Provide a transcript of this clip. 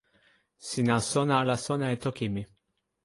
sina sona ala sona e toki mi?